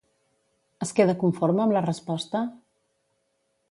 Es queda conforme amb la resposta?